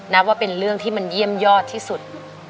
นับว่าเป็นเรื่องที่มันเยี่ยมยอดที่สุด